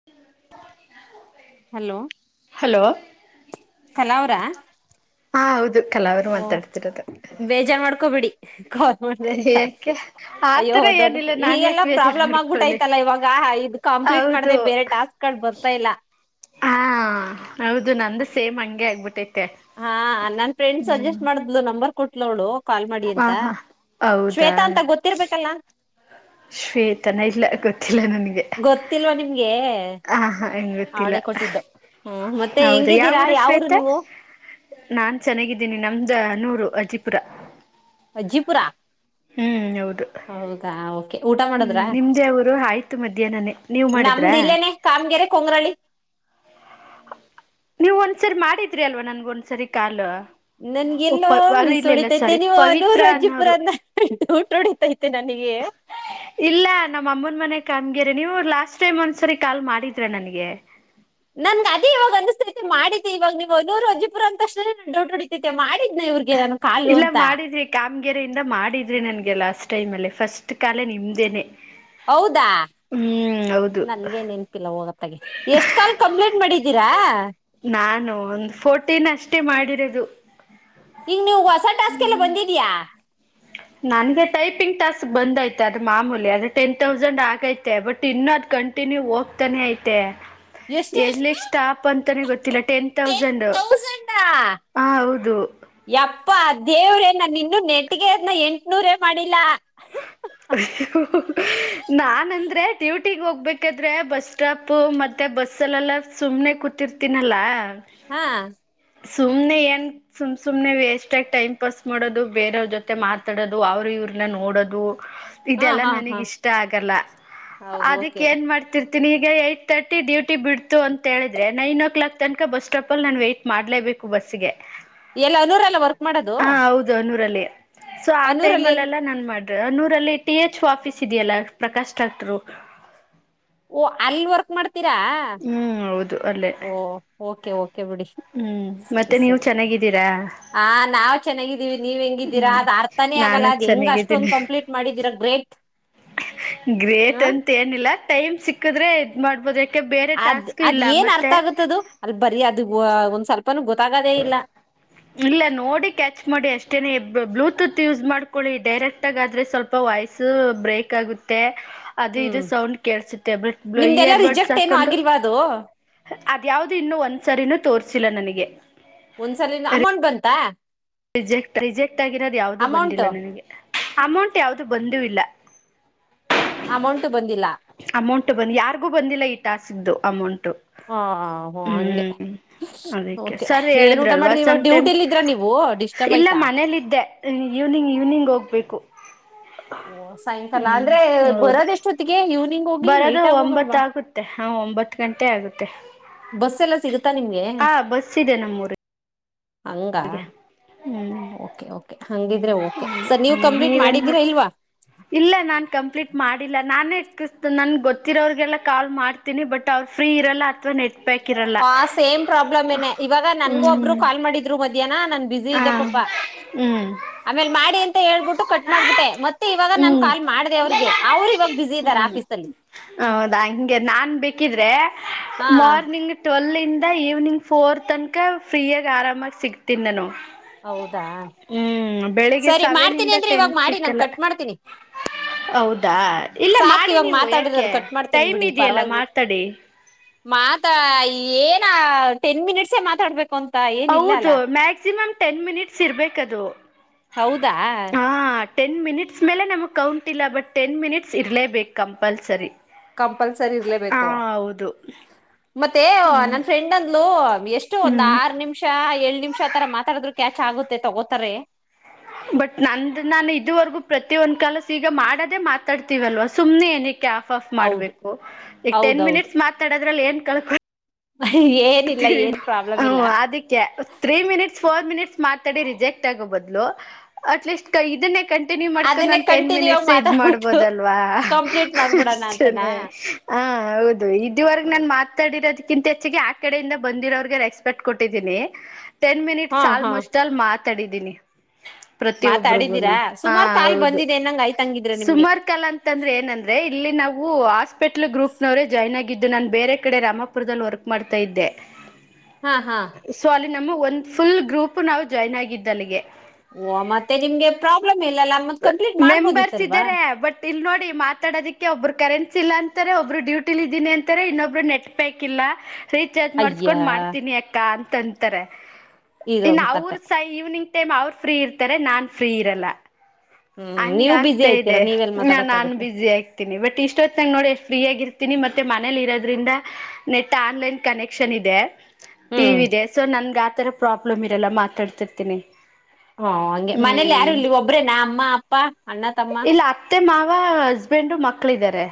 [inaudible] Hello hello ಕಲಾವ್ರಾ ಹಾ ಹೌದು ಕಲಾವರು ಮಾತಾಡ್ತಿರೋದು. ಬೇಜಾರ್ ಮಾಡ್ಕೋಬಿಡಿ ಕಾಲ್ ಮಾಡಿದೆ ಅಂತ ಯಾಕೆ ಅಯ್ಯೋ ಆತರ ದೊಡ್ಡ ಏನಿಲ್ಲ ನಾನ್ ಈಗೆಲ್ಲಾ ಯಾಕೆ ಬೇಜಾರ್ ಪ್ರಾಬ್ಲಮ್ ಮಾಡ್ಕೊಳ್ಳಿ ಆಗ್ಬಿಟ್ಟಾಯ್ತ. ಲ್ಲ ಇವಾಗ ಇದು ಕಂಪ್ಲೀಟ್ ಹೌದು ಮಾಡದೆ ಬೇರೆ ಟಾಸ್ಕ್ ಗಳು ಬರ್ತಾ ಇಲ್ಲ. ಹಾ ಹೌದು ನಂದು ಸೇಮ್ ಹಂಗೆ ಆಗ್ಬಿಟ್ಟೈತೆ. ಹಾ ನನ್ ಫ್ರೆಂಡ್ ಹ್ಮ್ ಸಜೆಸ್ಟ್ ಮಾಡಿದ್ಲು ನಂಬರ್ ಕೊಟ್ಲೂ ಅವ್ಳು. ಕಾಲ್ ಮಾಡಿ ಹ ಅಂತ ಹಾ ಹೌದಾ ಶ್ವೇತಾ ಅಂತ ಗೊತ್ತಿರ್ಬೇಕಲ್ಲಾ. ಶ್ಷೇತನ ಇಲ್ಲ ಗೊತ್ತಿಲ್ಲ ನನಗೆ. ಗೊತ್ತಿಲ್ವಾ ನಿಮ್ಗೆ. ಹ ಹಾ [unintelligible] ಅವಳೇ ಕೊಟ್ಟಿದ್ದು ಹ್ಮ ಮತ್ತೆ ಹೌದಾ ಹೆಂಗಿದ್ದೀರಾ ಯಾವೂರ ಯಾವೂರು ಶ್ವೇತ ನೀವು. ನಾನ್ ಚೆನ್ನಾಗಿದ್ದೀನಿ ನಮ್ದ ಅಣ್ನೂರು ಅಜಿಪುರ. ಅಜಿಪುರಾ ಹ್ಮ್ ಹೌದು ಓಕೆ ಊಟ ಮಾಡುದ್ರ ಹ್ಮ್ ನಿಮ್ದೇ ಯಾವೂರು ಆಯ್ತು ಮಧ್ಯಾಹ್ನನನೆ. ನೀವ್ ಮಾಡುದ್ರ. ನಮ್ದ ಇಲ್ಲೇನೆ ಕಾಮಗೆರೆ ಕೊಂಗ್ರಳಿ. ನೀವು ಒಂದ್ಸರಿ ಮಾಡಿದ್ರಿ ಅಲ್ವಾ ನನ್ಗ ಒಂದ್ಸರಿ ಕಾಲ್. ನನ್ಗೆಲೋ ಮಿಸ್ ಹೊಡಿತೈತೆ ನೀವು ಪವಿತ್ರ ನೂರು ಅಜ್ಜಿ ಪುರ ಅನ್ನೋರು ಬಿಟ್ಟು ಡೌಟ್ ಹೊಡಿತೈತೆ ನನಗೆ. ಇಲ್ಲ ನಮ್ಮ ಅಮ್ಮನ್ ಮನೆ ಕಾಮ್ಗ್ಯರೆ ನೀವು ಲಾಸ್ಟ್ ಟೈಮ್ ಒಂದ್ಸರಿ ಕಾಲ್ ಮಾಡಿದ್ರ ನನ್ಗೆ. ನನ್ಗೆ ಅದೇ ಇವಾಗ ಅನಿಸತೈತೆ ಮಾಡಿದ್ದ ಇವಾಗ ನೀವ ಹೋನೂರುಜ್ಜಪುರ ಅಂದ ತಕ್ಷಣ ನನಗೆ ಡೌಟ್ ಹೊಡಿತೈತಿ ಮಾಡಿದ್ದೆ ಇವ್ರಗೆ ಇಲ್ಲ ಮಾಡಿದ್ವಿ. ಕಾಮಗೆರೆಯಿಂದ ಮಾಡಿದ್ರಿ ನನ್ಗೆ ಲಾಸ್ಟ್ ಟೈಮ್ ಅಲ್ಲಿ ಫಸ್ಟ್ ಕಾಲೇ ನಿಮ್ದೇನೆ. ಹೌದಾ ಹ್ಮ್ ಹೌದು ನನ್ಗೇನ್ ನೆನಪಿಲ್ಲ ಹೋಗತ್ತಾಗೆ ಎಷ್ಟ್ ಕಲ್ ಕಂಪ್ಲೇಂಟ್ ಮಾಡಿದ್ದೀರಾ. ನಾನು ಒಂದ್ ಫೋರ್ಟೀನ್ ಅಷ್ಟೇ ಮಾಡಿರೋದು. ಈಂಗ ನೀವು ಹೊಸ ಟಾಸ್ಕ್ ಎಲ್ಲ ಬಂದಿದ್ಯಾ. ನನ್ಗೆ ಟೈಪಿಂಗ್ ಟಾಸ್ಕ್ ಬಂದೈತೆ ಅದ ಮಾಮೂಲಿ ಅದು ಟೆನ್ ತೌಸಂಡ್ ಆಗೈತೆ ಬಟ್ ಇನ್ನ ಅದ್ ಕಂಟಿ ಕಂಟಿನ್ಯೂ ಹೋಗ್ತನೆ ಐತೆ. ಎಷ್ಟು ಎಷ್ಟು ಎಲ್ಲಿಗ್ ಸ್ಟಾಪ್ ಅಂತಾನೆ ಗೊತ್ತಿಲ್ಲ ಟೆನ್ ತೌಸಂಡ್. ಟೌಸಂಡಾ ಹ ಹೌದು ಯಪ್ಪಾ ದೇವ್ರೇನ ನಿನ್ನ ನೆಟ್ಟಿಗೆ ಅದ್ನ್ನ ಎಂಟು ನೂರೇ ಮಾಡಿಲ್ಲಾ ಅ [unintelligible] ನಾನ್ಂದ್ರೆ ಡ್ಯೂಟಿಗ್ ಹೋಗ್ಬೇಕಾದ್ರೆ ಬಸ್ ಸ್ಟಾಪ್ ಮತ್ತೆ ಬಸ್ಲ್ಲೆಲ್ಲ ಸುಮ್ನೆ ಕು ತಿರ್ತೀನಲ್ಲ ಹಾ ಸುಮ್ನೆ ಏನ್ ಸುಮ್ ಸುಮ್ನೆ ವೆಸ್ಟ್ ಆಗಿ ಟೈಮ್ ಪಾಸ್ ಮಾಡೋದು ಬೇರೆಯವ್ರ ಜೊತೆ ಮಾತಾಡೋದು ಅವರು ಇವ್ರನ್ನ ನೋಡೋದು ಹಾ ಇದೆಲ್ಲಾ ಹಾ ನನಗ ಹಾ ಇಷ್ಟ ಆಗಲ್ಲ ಹೌದು ಅದಕ್ಕ ಓಕೆ ಏನ್ ಮಾಡ್ತ ತಿರ್ತೀನಿ ಈಗ ಏಯಟ್ ತರ್ಟಿ ಡ್ಯೂಟಿ ಬಿಡ್ತು ಅಂತ ಹೇಳಿದ್ರೆ ನೈನ್ ಓ ಕ್ಲಾಕ್ ತನಕ ಬಸ್ ಸ್ಟಾಪ ಅಲ್ಲಿ ನಾನು ವೆಯಟ್ ಮಾಡಲೇಬೇಕು ಕು ಬಸ್ಗೆ ಎಲ್ಲ ಅನೂರ ಅಲ್ಲ ವರ್ಕ್ ಮಾಡೋದು ಆನೂರಲ್ಲಿ ಸೊ ಆ ಟೈಮ ಅನೂರಲ್ಲಿ ಅಲ್ಲ ಎಲ್ಲಾ ನಾನ್ ಮಾಡ್ತಾ ಅನೂರು ರಲ್ಲಿ ಟಿಎಚ್ಒ ಆಫೀಸ್ ಇದೆಯಲ್ಲ ಪ್ರಕಾಶ್ ಡಾಕ್ಟರು ಓ ಅಲ್ಲಿ ವರ್ಕ್ ಮಾಡ್ತೀರಾ ಹ್ಮ್ ಹೌದು ಅಲ್ಲೇ ಓ ಓಕೆ ಓಕೆ ಬಿಡಿ ಹ್ಮ್ ಮತ್ತೆ ನೀವು ಚೆನ್ನಾಗಿದ್ದೀರಾ ಹ ನಾವ್ ಚೆನ್ನಾಗಿದ್ದೀವಿ ನೀವ ಹೆಂಗಿದ್ದೀರಾ ಹ್ಮ್ ಅ್ ಅರ್ಥಾನೇ ನಾನು ಆಗಲ್ಲ ಅದು ಹೆಂಗ ಚೆನ್ನಾಗಿದ್ದೀನಿ ಅಷ್ಟೊಂದ ಕಂಪ್ಲೀಟ್ ಮಾಡಿದೀರಾ ಗ್ರೇಟ್ ಗ್ರೇಟ್ ಹ ಅಂತ ಏನಿಲ್ಲ ಟೈಮ್ ಸಿಕ್ಕದ್ರೆ ಇದ್ ಮಾಡ್ಬೋದ ಬೇರೆ ಟಾಸ್ಕ್ ಇಲ್ಲ ಮತ್ತೆ ಅಲ್ ಬರಿ ಅದು ಒಂದ್ ಸ್ವಲ್ಪನು ಗೊತ್ತಾಗೋದೇ ಇಲ್ಲ ಇಲ್ಲ ನೋಡಿ ಕ್ಯಾಚ್ ಮಾಡಿ ಅಷ್ಟೇನೆ ಬ್ಲೂಟೂತ್ ಯೂಸ್ ಮಾಡ್ಕೊಳ್ಳಿ ಡೈರೆಕ್ಟ್ ಗಾದ್ರೆ ಸ್ವಲ್ಪ ವಾಯ್ಸ ಬ್ರೇಕ್ ಆಗುತ್ತೆ ಅದು ಇದು ಹ್ಮ್ ಸೌಂಡ್ ಕೇಳ್ಸತ್ತೆ ಬ್ಲೋ ನಿಮ್ದೆಲ್ಲಾ ಇಯರ್ ಬಡ್ಸ್ ರಿಜೆಕ್ಟ್ ಏನು ಹಾಕೊಂಡು ಆಗಿಲ್ವಾ ಅದು ಅದ್ಯಾವ್ದು ಇನ್ನು ಒಂದ್ಸರಿನೂ ತೋರ್ಸಿಲ್ಲ ನನಗೆ ಒಂದ್ಸಲ ಅಮೌಂಟ್ ಬಂತಾ ರಿಜೆಕ್ಟ್ ರಿಜೆಕ್ಟ್ ಆಗಿರೋದು ಯಾವ್ದ ಅಮೌಂಟ್ ಬಂದಿಲ್ಲ ನನಗೆ ಅಮೌಂಟ್ ಯಾವ್ದು ಬಂದೂ ಇಲ್ಲ ಅಮೌಂಟು ಬಂದಿಲ್ಲ ಅಮೌಂಟ್ ಬಂದ್ ಯಾರಿಗೂ ಬಂದಿಲ್ಲ ಈ ಟಾಸ್ಕ್ ಇಂದು ಅಮೌಂಟ್ ಹಾ ಹ ಹೊ ಹಂಗೆ ಅದಕ್ಕೆ ಓಕೆ ಸರ್ ಏನ್ ಊಟ ಹೇಳಿದ್ರಲ್ವಾ ಮಾಡಿದವಿ ಇವಾಗ ಸಮ್ಟೈಮ್ ಡ್ಯೂಟಿಲ್ ಇದ್ರ ನೀವು ಡಿಸ್ಟರ್ಬ್ ಇಲ್ಲ ಆಯ್ತಾ ಮನೇಲಿದ್ದೆ ಈವ್ನಿಂಗ್ ಈವ್ನಿಂಗ್ ಹೋಗಬೇಕು ಓ ಸಾಯಂಕಾಲ ಅಂದ್ರೆ ಹೌದು ಬರೋದ ಎಷ್ಟೊತ್ತಿಗೆ ಇವ್ ಬರೋದು ಒಂಬತ್ತ ಆಗುತ್ತೆ ಹಾ ಒಂಬತ್ತು ಗಂಟೆ ಆಗುತ್ತೆ ಬಸ್ ಎಲ್ಲ ಸಿಗುತ್ತಾ ನಿಮ್ಗೆ ಹ ಬಸ್ಸಿದೆ ನಮ್ಮೂರಿಗೆ ಹಂಗ ಹ್ಮ್ ಓಕೆ ಓಕೆ ಹಂಗಿದ್ರೆ ಓಕೆ ಸರ್ ನೀವ್ ಹ್ಮ್ ಕಂಪ್ಲೀಟ್ ನೀವೇನ್ ಮಾಡ ಮಾಡಿದೀರಾ ಇಲ್ವಾ ಇಲ್ಲ ನಾನ್ ಕಂಪ್ಲೀಟ್ ಮಾಡಿಲ್ಲ ನಾನೇ ಕಿಸ ನನ್ ಗೊತ್ತಿರೋಗೆಲ್ಲಾ ಕಾಲ್ ಮಾಡ್ ಬಟ್ ಅವರ್ ಫ್ರೀ ಇರಲ್ಲ ಅಥವಾ ನೆಟ್ಟ ಆ ಸೇಮ್ ಪ್ರಾಬ್ಲಮ್ ನೆ ಇವಾಗ ನನ್ಗೂ ಒಬ್ರು ಹ್ಮ್ ಕಾಲ್ ಮಾಡಿದ್ರು ಮಧ್ಯಾಹ್ನ ನನ್ ಬ್ಯುಸಿ ಹಾ ಇದ್ದೆ ಪಾಪಾ ಹ್ಮ್ ಆಮೇಲೆ ಮಾಡಿ ಅಂತ ಹೇಳ್ಬಿಟ್ಟು ಕಟ್ ಮಾಡ್ಬಿಟ್ಟೆ ಮತ್ತೆ ಇವಾಗ ನಾನ್ ಹ್ಮ್ ಕಾಲ್ ಮಾಡಿದೆ ಅವ್ರಿಗೆ ಅವ್ರು ಇವಾಗ ಬ್ಯುಸಿ ಇದಾರೆ ಹ್ಮ್ ಆಫೀಸ ಅಲ್ಲಿ ಹೌದಾ ಹಿಂಗೆ ನಾನ್ ಬೇಕಿದ್ರೆ ಹಾ ಮಾರ್ನಿಂಗ್ ಟ್ವೆಲ್ ಇಂದ ಈವ್ನಿಂಗ್ ಫೋರ್ ತನಕ ಫ್ರೀಯಾಗಿ ಆರಾಮಾಗಿ ಸಿಗ್ತೀನಿ ನಾನು ಹೌದಾ ಹ್ಮ್ ಬೆಳಿಗ್ಗೆ ಸರಿ ಸೆವೆನ್ ಮಾಡ್ತೀನಿ ಇಂದ ಅಂದ್ರೆ ಟೆನ್ ಇವಾಗ ಮಾಡಿ ನಾನ್ ಸಿಕ್ಕಲ್ಲ ಕಟ್ ಮಾಡ್ತೀನಿ ಹೌದಾ ಇಲ್ಲ ಸಾಕ್ ಮಾಡಿ ಇವಾಗ ನೀವು ಯಾಕೆ ಮಾತಾಡಿರೋದು ಕಟ್ ಮಾಡ್ತೀನಿ ಟೈಮ್ ಬಿಡಿ ಇದೆಯಲ್ಲ ಪರವಾಗಿಲ್ಲ ಮಾತಾಡಿ ಮಾತಾ ಏನ ಟೆನ್ ಮಿನಿಟ್ಸೇ ಮಾತಾಡ್ಬೇಕು ಭೂಮ್ ತಾಯಿ [inaudible] ಹೌದು ಮ್ಯಾಕ್ಸಿಮಮ್ ಟೆನ್ ಮಿನಿಟ್ಸ್ ಇರಬೇಕದು ಹೌದಾ ಟೆನ್ ಮಿನಿಟ್ಸ್ ಮೇಲೆ ನಮಗೆ ಕೌಂಟ ಇಲ್ಲ ಬಟ್ ಟೆನ್ ಮಿನಿಟ್ಸ್ ಇರಲೇಬೇಕು ಕಂಪಲ್ಸರಿ ಕಂಪಲ್ಸರಿ ಹ ಇರ್ಲೇಬೇಕು ಹೌದು ಮತ್ತೆ ನನ್ ಫ್ರೆಂಡ್ ಅಂದ್ಲು ಎಷ್ಟು ಒಂದ್ ಹ್ಮ್ ಆರ್ ನಿಮಿಷ ಏಳ್ ನಿಮಿಷ ತರ ಮಾತಾಡಿದ್ರು ಕ್ಯಾಚ್ ಆಗುತ್ತೆ ತಗೋತಾರೆ ಬಟ್ ನಂದು ನಾನು ಇದುವರೆಗೂ ಪ್ರತಿ ಒಂದ್ ಕಾಲಸ ಈಗ ಮಾಡದೇ ಮಾತಾಡ್ತಿವಲ್ವಾ ಸುಮ್ನೆ ಏನಕ್ಕೆ ಆಫ್ ಆಫ್ ಹೌದು ಮಾಡ್ಬೇಕು ಈಗ ಟೆನ್ ಹೌದೌದು ಮಿನಿಟ್ಸ್ ಮಾತಾಡೋದ್ರಲ್ಲಿ ಏನ್ ಕ ಏ ಹ್ಮ ಹು ಅದಿಕ್ಕೆ ತ್ರೀ ಮಿನಿಟ್ಸ್ ಫೋರ್ ಮಿನಿಟ್ಸ್ ಮಾತಾಡಿ ರಿಜೆಕ್ಟ್ ಆಗೋ ಬದ್ಲು ಅಟ್ ಲೀಸ್ಟ್ ಇದನ್ನೇ ಕಂಟ್ ತಿಂಡಿ ಮಾಡ್ಕಂಡು ಅದನ್ನೇ ಒಂದು ಟೆನ್ ಕಂಟಿನ್ಯೂ ಆಗಿ ಮಿನಿಟ್ಸ್ ಇದ್ ಮಾತಾಡ್ಬಿಟ್ಟು ಮಾಡ್ಬೋದಲ್ವಾ ಕಂಪ್ಲೀಟ್ ಮಾಡ್ಬಿಡೋಣ ಅಂತನಾ ಅಷ್ಟೇನೆ ಹ ಹೌದು ಇದುವರೆಗ ನನ್ ಮಾತ್ ಮಾತಾಡಿರೋದಕ್ಕಿಂತ ಹೆಚ್ಚಾಗಿ ಆ ಕಡೆಯಿಂದ ಬಂದಿರೋಗೆ ರೆಸ್ಪೆಕ್ಟ್ ಕೊಟ್ಟಿದ್ದೀನಿ ಟೆನ್ ಹಾ ಮಿನಿಟ್ಸ್ ಹಾ ಆಲ್ಮೋಸ್ಟಲ್ಲಿ ಮಾತಾಡಿದೀನಿ ಪ್ರತಿಯೊಬರಿಗೂನು ಮಾತಾಡಿದೀರಾ ಹ ಸುಮಾರು ಕಾಲ್ ಹೌದು ಬಂದಿದೆ ಅನ್ನಂಗ ಆಯ್ತಂಗಿದ್ರೆ ನಿಮ್ಗೆ ಸುಮಾರ್ ಕಲರ್ ಅಂದ್ರೆ ಏನಂದ್ರೆ ಇಲ್ಲಿ ನಾವು ಹಾಸ್ಪಿಟ್ಲ್ ಗ್ರೂಪ್ನವರೇ ಜಾಯ್ನ್ ಆಗಿದ್ದು ನಾನ್ ಬೇರೆ ಕಡೆ ರಾಮಪುರದಲ್ಲಿ ವರ್ಕ್ ಮಾಡ್ತ ತೈದೆ ಹಾ ಹಾ ಸೊ ಅಲ್ಲಿ ನಮಗೆ ಒಂದು ಫುಲ್ ಗ್ರೂಪ್ ನಾವು ಜಾಯ್ನ್ ಆಗಿದ್ದು ಅಲ್ಲಿಗೆ ಓ ಮತ್ತೆ ನಿಮ್ಗೆ ಪ್ರಾಬ್ಲಮ್ ಇಲ್ಲಲ್ಲ ಮತ್ ಕಂಪ್ಲೀಟ್ ಮೆಂಬರ್ಸ್ ಮಾಡ್ಬೋದಿತ್ತಲ್ವಾ ಇದ್ದಾರೆ ಬಟ್ ಇಲ್ ನೋಡಿ ಮಾತಾಡೋದಕ್ಕೆ ಒಬ್ಬರು ಕರೆನ್ಸಿ ಇಲ್ಲ ಅಂತಾರೆ ಒಬ್ರು ಡ್ಯೂಟಿಲಿ ಇದ್ದೀನಿ ಅಂತಾರೆ ಇನ್ನೊಬ್ರು ನೆಟ್ ಪ್ಯಾಕ್ ಇಲ್ಲ ರೀಚಾರ್ಜ್ ಅಯ್ಯ ಮಾಡ್ಸ್ಕೊಂಡ್ ಮಾಡ್ತೀನಿ ಅಕ್ಕ ಅಂತ ಅಂತಾರೆ ಇನ್ನು ಇದೊಂದು ಅವ್ರ ಕತೆ ಸೈ ಈವ್ನಿಂಗ್ ಟೈಮ್ ಅವರ್ ಫ್ರೀ ಇರ್ತಾರೆ ನಾನ್ ಫ್ರೀ ಇರಲ್ಲ ಹ್ಮ್ ಹಂಗ ನೀವು ಬಿಸಿ ಆಗ್ತಾ ಇದೆ ಐತೀರಾ ನೀವೆಲ್ ನಾನು ಮಾತಾಡಕ್ಕಾಗುತ್ತೆ ಬ್ಯುಸಿ ಬಟ್ ಇಷ್ಟ ಹೋತ್ನಾಗ್ ನೋಡಿ ಫ್ರೀ ಆಗಿರ್ತೀನಿ ಮತ್ತೆ ಮನೇಯಲ್ಲಿ ಇರೋದ್ರಿಂದ ನೆಟ್ ಆನ್ಲೈನ್ ಕನೆಕ್ಷನ್ ಇದೆ ಹ್ಮ್ ಟಿವಿ ಇದೆ ಸೊ ನನ್ಗೆ ಆತರ ಪ್ರಾಬ್ಲಮ್ ಇರಲ್ಲ ಮಾತಾಡ್ತಿರ್ತೀನಿ ಹಾ ಹಂಗೆ ಮನೇಲಿ ಯಾರು ಹ್ಮ್ ಇಲ್ಲ ಒಬ್ರೆ ನಾ ಅಮ್ಮ ಅಪ್ಪ ಅಣ್ಣ ತಮ್ಮ ಇಲ್ಲ ಅತ್ತೆ ಮಾವ ಹಸ್ಬೆಂಡು ಮಕ್ಕಳಿದ್ದಾರೆ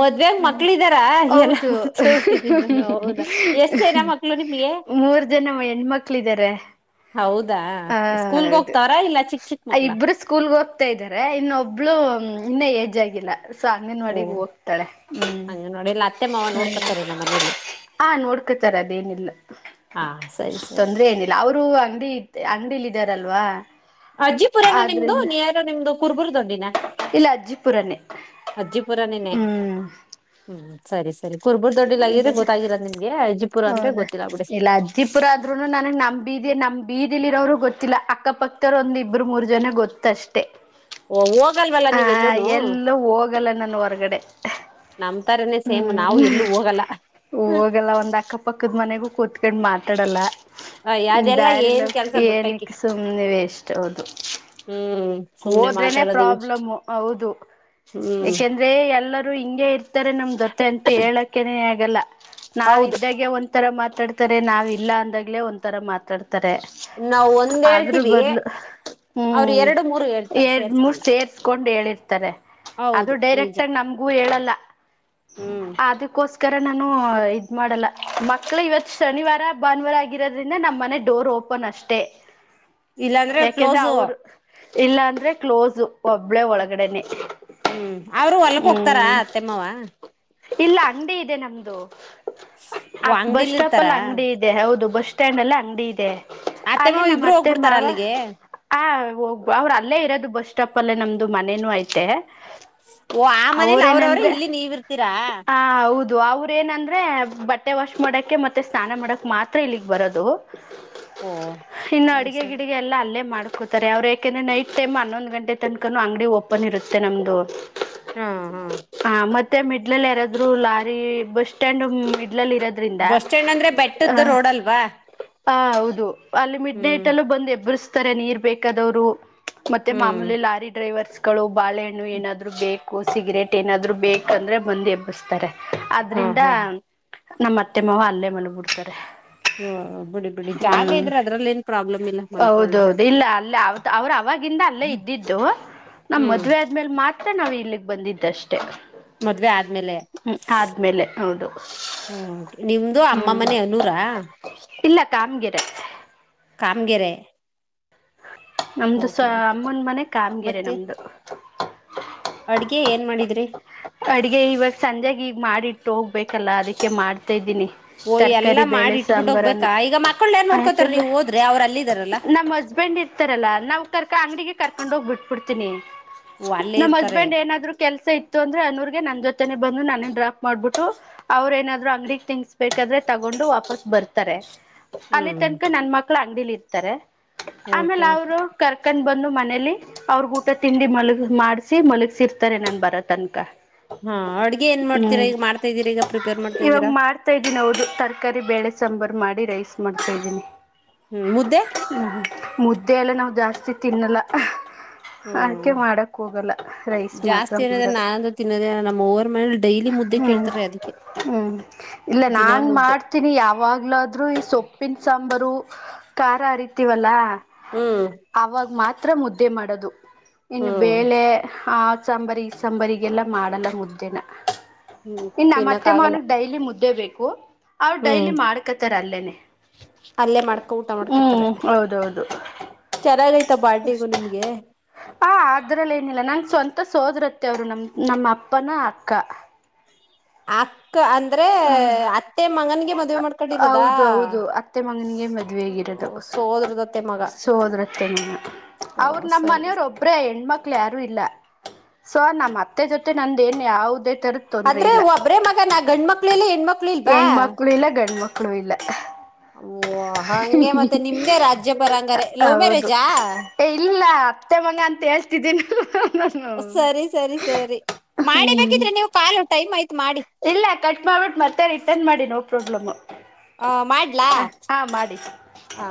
ಮದ್ವೆಗ್ ಹ ಮಕ್ಳಿದಾರ ಎಲ್ಲ ಹೌದು ಮರ್ತ ಬಿಟ್ಟಿದೀನಿ ನಾನು ಹೌದಾ ಎಷ್ಟ್ ಜನ [unintelligible] ಮಕ್ಳು ನಿಮ್ಗೆ ಮೂರ್ ಜನವು ಹೆಣ್ಮಕ್ಳ ಇದಾರೆ ಹೌದಾ ಹ ಸ್ಕೂಲ್ಗ ಹೌದು ಹೋಗ್ತಾವ್ರ ಇಲ್ಲ ಚಿಕ್ಕ ಚಿಕ್ಕ ಮಕ್ಳ ಇಬ್ಬರು ಸ್ಕೂಲ್ಗೆ ಹೋಗ [unintelligible] ಇದಾರೆ ಇನ್ನೊಬ್ಳು ಇನ್ನ ಏಜ್ ಆಗಿಲ್ಲ ಸೊ ಅಂಗನವಾಡಿಿಗೆ ಹೋಗ್ [inaudible] ಅಂಗನವಾಡಿಲಿ ಅತ್ತೆ ಮಾವ ನೋಡ್ಕೊತಾರೆ ನಮ್ಮನೆಲಿ ಆ ನೋಡ್ಕೊತಾರೆ ಅದೇನಿಲ್ಲ ಹಾ ಸರಿ ಸರಿ ತೊಂದ್ರೆ ಏನಿಲ್ಲ ಅವರು ಅಂಗಡಿ ಅಂಗಡಿೀಲ್ ಇದಾರಲ್ವಾ [unintelligible] ಅಜ್ಜಿಪುರನ ನಿಮ್ದು ಆದ್ರಿಂದ ನೇರ್ ನಿಮ್ದು ಕುರ್ಬುರ್ದೊಂದಿನ ಇಲ್ಲ ಅಜ್ಜಿಪುರನೇ ಹ್ಮ್ [inaudible] ಹ್ಮ್ ಸರಿ ಸರಿ ಕುರ್ಬುರ್ ದೊಡ್ಡಲ್ಲ ಆಗಿದ್ರೆ ಗೊತ್ತಾಗಿರ ನಿಮ್ಗೆ [unintelligible] ಹೌದಾ ಗೊತ್ತಿಲ್ಲ ಬಿಡಿ ಇಲ್ಲ ಅಜ್ಜಿಪುರ ಆದ್ರು ನನಗೆ ನಮ್ ಬೀದಿ ನಮ್ ಬೀದಿಲಿ ಇರೋರು ಗೊತ್ತಿಲ್ಲ ಅಕ್ಕಪಕ್ಕದವರ ಒಂದು ಇಬ್ರು ಮೂರ್ ಜನ ಗೊತ್ತ ಅಷ್ಟೇ ಓ ಹೋಗಲ್ವಲ್ಲ ಹ ನೀವೆಲ್ಲೂನು ಎಲ್ಲ ಹೋಗಲ್ಲ ನಾನ ಹೊರಗಡೆ [unintelligible] ನಮ್ತರನೆ ಸೇಮ್ ನಾವು ಎಲ್ಲೂ ಹೋಗಲ್ಲ [unintelligible] ಹೋಗಲ್ಲ ಒಂದ್ ಅಕ್ಕಪಕ್ಕದ ಮನೆಗೂ ಕೂತ್ಕಂಡ್ ಮಾತಾಡಲ್ಲ [unintelligible] ಅದೆಲ್ಲಾ ದಾರಿಲ್ಲ ಏನ್ ಕೆಲ್ಸ ಬಿಟ್ಟಕಿ ಏನಕ್ಕೆ ಸುಮ್ನೆವೆಷ್ಟ ಅೌದು ಹ್ಮ್ [unintelligible] ಸುಮ್ನೆ ಹೋದ್ರೆನೆ ಮಾತಾಡೋದು ವೇಸ್ಟ್ ಪ್ರಾಬ್ಲಮ್ ಹೌದು ಹ್ಮ್ [inaudible] ೇ [inaudible] ಎಲ್ಲರೂ ಹಿಂಗೆ ಇರ್ತಾರೆ ನಮ ಜೊತೆ ಅಂತ ಹೇಳಕೆನೆೇ ಆಗಲ್ಲ ಹೌದು ನಾವಿದ [inaudible] ಹಾಗಗೆ [inaudible] ಒಂತರ ಮಾತಾಡ್ತಾರೆ ನಾವ್ ಇಲ್ಲ ಅಂದಾಗ್ಲೇ ಒಂಂತರ ಮಾತಾಡ್ತಾರೆ ನಾವ್ ಒಂದ್ ಆದ್ರೂ ಹೇಳ್ತೀವಿ ಬದ್ಲು ಅವ್ರ ಹ್ಮ್ ಎರಡು ಮೂರು ಹೇಳ್ತಾರ ಎರಡ್ ಮೂರು ಸೇರ್ಸ್ಕೊಂಡ ಸೇ [inaudible] ಕೊಂಡ್ ಹೇಳಿರ್ತಾರೆ ಅದು ಹೌದು ನಿಜ ಡೈರೆಕ್ಟಾಗಿ ನಮಗೂ ಹೇಳಲ್ಲ. ಹ್ಮ್ ಅದಕ್ಕೋಸ್ಕರ ನಾನು ಇದ್ ಮಾಡಲ್ಲ. ಮಕ್ಳು ಇವತ್ತು ಶನಿವಾರ ಭಾನುವಾರ ಆಗಿರೋದ್ರಿಂದ ನಮ್ಮ್ ಮನೆ ಡೋರ್ ಓಪನ್ ಅಷ್ಟೇ. ಇಲ್ಲಾಂದ್ರೆ ಯಾಕೆಂದ್ರೆ ಕ್ಲೋಸು ಅವರು ಇಲ್ಲ ಅಂದ್ರೆ ಕ್ಲೋಸು ಒಬ್ಳೆ ಒಳಗಡೆನೆೇ. ಹ್ಮ್ ಅವರು ಹೊಲ್ಕ್ ಹೋಗ್ತಾರ ಅತ್ತೆ ಮಾವ. ಇಲ್ಲ ಅಂಗಡಿ ಇದೆ ನಮ್ದು ಓ [unintelligible] ಬಸ್ ಅಂಗಡಿಲಿ ಸ್ಟಾಪ್ ಇರ್ತಾರ ಅಲ್ಲಿ ಅಂಗಡಿ ಇದೆ. ಇದೆ ಹೌದು ಬಸ್ ಸ್ಟ್ಯಾಂಡ್ ಅಲ್ಲಿ ಅಂಗಡಿ ಇದೆ ಅಲ್ಲಿ ಅತ್ತೆಮ್ಮವ ನಮ್ ಇಬ್ರು ಅತ್ತೆ ಹೋಗ್ಬಿಡ್ತಾರ ಮಾವ. ಅಲ್ಲಿಗೆ ಹ ಹೋಗ ಬಾ ಅವರು ಅಲ್ಲೇ ಇರೋದು ಬಸ್ ಸ್ಟಾಪ್ ಅಲ್ಲೇ ನಮ್ದು ಮನೇನುೂ ಐತೆ ಓ ಆ ಮನೇಲಿ ಅವ್ರವ್ರ ಇಲ್ಲಿ ನೀವು ಇರ್ತೀರಾ. ಹ ಹೌದು ಅವರ ಏನಂದ್ರೆ ಬಟ್ಟೆ ವಾಶ್ ಮಾಡಕ್ಕೆ ಮತ್ತೆ ಸ್ನಾನ ಮಾಡಕ್ಕೆ ಮಾತ್ರ ಇಲ್ಲಿಗೆ ಬರೋದು. ಓ ಇನ್ನು ಸರಿ ಅಡಗೆ ಸರಿ ಗಿಡಿಗೆ ಎಲ್ಲ ಅಲ್ಲೇ ಮಾಡ್ಕೊತ [unintelligible] ಅವ್ರ ಯಾಕೆಂದ್ರೆ ನೈಟ್ ಟೈಮ್ ಹನ್ನೊಂದು ಗಂಟೆ ತನಕನ ಅಂಗಡಿ ಓಪನ್ ಇರುತ್ತೆ ನಮ್ದು. ಹಾ ಹಾ ಹಾ ಮತ್ತೆ ಮಿಡ್ಲಲ್ಲಿ ಯಾರಾದ್ರು ಲಾರಿ ಬಸ್ ಸ್ಟ್ಯಾಂಡ್ ಮಿಡ್ಲಲ್ಲಿ ಇರದ್ ಬಸ್ ಸ್ಟ್ಯಾಂಡ್ ಅಂದ್ರೆ ಬೆಟ್ಟದ್ದು ರೋಡ್ ಅಲ್ವಾ. ಹ ಹೌದು ಅಲ್ಲಿ ಮಿಡ್ ನೈಟ್ ಹ್ಮ್ ಅಲ್ಲೂ ಬಂದು ಎಬ್ಬಿಸ್ತಾರೆ ನೀರ್ ಬೇಕಾದವ್ರು. ಮತ್ತೆ ಹ್ಮ್ ಮಾಮೂಲಿ ಲಾರಿ ಡ್ರೈವರ್ಸ್ಗಳು ಬಾಳೆಹಣ್ಣು ಏನಾದ್ರು ಬೇಕು. ಸಿಗರೇಟ್ ಏನಾದ್ರು ಬೇಕಂದ್ರೆ ಬಂದ್ ಎಬ್ಬಸ್ತಾರೆ ಹಾ ಆದ್ರಿಂದ ಹಾ ನಮ್ಮ ಅತ್ತೆ ಮಾವ ಅಲ್ಲೇ ಮಲಗ್ ಬಿಡ್ತಾರೆ. ಹ್ಮ ಬಿಡಿ ಬಿಡಿ ಜಾಗ ಇದ್ರೆ ಅದ್ರಲ್ಲ ಏನ್ ಪ್ರಾಬ್ಲಮ್ ಇಲ್ಲ ಮಲ್ಕೊಳ್ಳಿ ಅದ್ರ [unintelligible] ಅವ್ರ್ ಆವಾಗಿಂದ ಅಲ್ಲೇ ಇದ್ದಿದ್ದು. ನಮ್ ಹ್ಮ್ ಮದ್ವೆ ಆದ್ಮೇಲೆ [inaudible] ಮಾತ್ರ ನಾವು ಇಲ್ಲಿಗೆ ಬಂದಿದ್ದಷ್ಟೇ ಮದುವೆ ಆದ್ ಆಮೇಲೆ ಹ್ಮ್ [unintelligible] ಆದ್ಮೇಲೆ ಹೌದು ಹ ನಿಮ್ದು ಅಮ್ಮ ಹ್ಮ್ ಮನೆ ಅನೂರಾ ಇಲ್ಲ ಕಾಮಗೆರೆ ಕಾಮ್ಗೆರೆ ನಮ್ದು ಓಕೆ ಸ ಓಕೆ ಅಮ್ಮನ ಮನೆ ಕಾಮ್ಗೆರೆ ಮತ್ತೆ ನಮ್ದು ಅಡ್ಗೆ ಏನ್ ಮಾಡಿದ್ರಿ ಅಡಗೆ ಇವಾಗ ಸಂಜಾಗ ಈಗ ಮಾಡಿ ಇಟ್ಟು ಹೋಗ್ಬೇಕಲ್ಲ ಅದಕ್ಕೆ ಮಾಡ್ತಾ ಇದ್ದೀನಿ. ಓ ಎಲ್ಲಾ ತರ್ಕಾರಿ ಬೇಳೆ ಮಾಡಿ ಇಟ್ಬಿಟ್ಟು ಸಾಂಬಾರನ್ನ ಹೋಗ್ಬೇಕಾ ಈಗ ಮಕ್ಕಳ ಯಾರ್ ನೋಡ್ಕೋತಾರ ಯಾಕಂದ್ರೆ ನೀವ್ ಹೋದ್ರೆ ಅವ್ರ ಅಲ್ಲಿದಾರಲ್ಲ ನಮ್ಮ್ ಹಸ್ಬೆಂಡ್ ಇರ್ ರ್ತಾರಲ್ಲಾ ನಾವ್ ಕರ್ಕ ಅಂಗಡಿಗೆ ಕರ್ಕೊಂಡ್ ಹೋಗ್ಬ ಬಿಟ್ಬಿಡ್ತೀನಿ. ಓ ಅಲ್ಲೇ ನಮ್ಮ್ ಇರ್ತಾರೆ ಹಸ್ಬೆಂಡ್ ಏನಾದ್ರು ಕೆಲ್ಸ ಇತ್ತು ಅಂದ್ರೆ ಅನ್ನೂರ್ಗೆ ನನ್ ಜೊತೆನೆ ಬಂದು ನಾನನ್ ಡ್ರಾಪ್ ಮಾಡ್ಬಿಟ್ಟು. ಅವ್ರ ಏನಾದ್ರು ಅಂಗಡಗ್ ತಿನ್ಸಭೇಕಾದ್ರೆ ತಗೊಂಡು ವಾಪಸ್ ಬರ್ತಾರೆ. ಅಲ್ಲಿ ಹ್ಮ್ ತನಕ ನನ್ ಮಕ್ಳ ಅಂಗಡಿಲಿ ಇರ್ತಾರೆ ಓಕೆ ಆಮೇಲೆ ಓಕೆ ಅವರು ಕರ್ಕಂಡ್ ಬಂದು ಮನೇಲಿ ಅವ್ರ ಊಟ ತಿಂಡಿ ಮಲಗ ಮಾಡ್ಸಿ ಮಲಗ್ಸಿರ್ತಾರೆ ನನ್ ಬರ ತನಕ ಕ್ಕ ಹಾ ಅಡ್ಗೆ ಏನ್ ಮಾಡ್ತೀರಾ ಈಗ ಮಾಡ್ತ ಇದಿದ್ದೀರ ಈಗ ಪ್ರಿಪೇರ್ ಮಾಡ್ತಾದ್ದೀರಾ. ತಾ ಇದ್ದೀನಿ ಹೌದು ತರಕಾರಿ ಬೇಳೆ ಸಾಂಬಾರು ಮಾಡಿ ರೈಸ್ ಮಾಡ್ತಾ ಇದ್ದೀನಿ. ಹ್ಮ್ ಮುದ್ದೆ ಹ್ಮ ಮುದ್ದೆ ಎಲ್ಲ ನಾವು ಜಾಸ್ತಿ ತಿನ್ನಲ್ಲ. ಹ್ಮ್ ಆಕೆ ಮಾಡಕ್ ಹೋಗಲ್ಲ ರೈಸ್ ಮಾತ್ರ ಮಾಡದು. ತಿನ್ನದೇ ನಮ್ಮ ಓವರ್ ಮನೆಲ್ ಹ್ಮ್ ಹ್ಮ್ ಇಲ್ಲ ದಿನಾ ನಾನ್ ಮುದ್ದೆ ಮಾಡ್ ತಿನಿ ಯಾವಾಗ್ಲಾದ್ರೂ ಈ ಸೊಪ್ಪಿನ ಸಾಂಬಾರು ಖಾರ ಹರಿತಿವಲ್ಲಾ. ಹ್ಮ್ ಅವಾಗ ಮಾತ್ರ ಮುದ್ದೆ ಮಾಡೋದು ಇನ್ನು ಹ್ಮ್ ಬೇಳೆ ಆ ಸಾಂಬರಿ ಸಾಂಬರಿಗೆಲ್ಲ ಮಾಡಲ್ಲ ಮುದ್ದೆನ. ಹ್ಮ್ ಇನ್ನ ತಿನ್ನಕ್ ನಮತ್ತೆ ಆಗಲ್ಲ ಮಾವನಿಗ್ ಡೈಲಿ ಮುದ್ದೆ ಬೇಕು ಅವ್ರ ಹ್ಮ್ ಡೈಲಿ ಮಾಡ್ಕತಾರ ಅಲ್ಲೇನೆ. ಅಲ್ಲೇ ಮಾಡ್ಕೊ ಊಟ ಮಾಡ್ಕತಾರೆ ಹ್ಮ್ ಹೌದೌದು ಚೆನ್ನಾಗೈತ ಬಾಡಂಗೂ ನಿಮ್ಗೆ. ಹ ಅದ್ರಲ್ಲ ಏನಿಲ್ಲ ನನ್ ಸ್ವಂತ ಸೋದ್ರತ್ತ ಅವ್ರು ನಮ್ ನಮ್ಮ ಅಪ್ಪನ ಅಕ್ಕ. ಅಕ್ಕ ಅಂದ್ರೆ ಅತ್ತೆ ಮಗನ್ಗೆ ಮದುವೆ ಮಾಡ್ ಅ ಕಡೆ ಇರದಾ ಹೌದೌದು ಅತ್ತೆ ಮಗನಿಗೆ ಮದುವೆ ಆಗಿರೋದು ಸೋದ್ರದತ್ತೆ ಮಗ ಹ ಸರಿ ಮನೆಯವರ್ ಒಬ್ಬ್ರ ಹೆಣ್ಮಕ್ಳ ಯಾರು ಇಲ್ಲ ಸೊ ನಮ್ಮ್ ಅತ್ತೆ ಜೊತೆ ನಂದ ನ್ ಯಾವವುದೇ ತರದ ತೊಂದ್ರೆ ಆದ್ರ ಒಬ್ರೇ ಮಗ ನಾ ಗಂಡ ಮಕ್ಳಲ್ಲಿ ಹೆಣ್ಮಕ್ಳ ಹೆಣ ಮಕ್ಳು ಇಲ್ಲ ಗಂಡ ಮಕ್ಳು ಇಲ್ಲ ಓ ಹಂಗೆ ಮತ್ತೆ ನಿಮ್ದೇ ರಾಜ್ಯ ಬರ ಅಂಗಾರೆ ಲವ್ ಹೌದು ಮ್ಯಾರೇಜಾ ಇಲ್ಲ ಅತ್ತೆ ಮಗ ಅಂತ ಹೇಳ್ತಿದ್ದೀನಲಾ ಸರಿ ಸರಿ ಸರಿ ಹ್ಮ್ ಮಾಡಿಬೇಕಿದ್ರೆ ನೀವು ಕಾಲು ಟೈಮ್ ಆಯ್ತು ಮಾಡಿ ಇಲ್ಲ ಕಟ್ ಮಾಡಿಬಿಟ್ಟು ಮತ್ತೆ ರಿಟರ್ನ್ ಮಾಡಿ ನೋ ಪ್ರಾಬ್ಲಮ್ಮು ಹ ಹಾ ಮಾಡಿ ಹಾ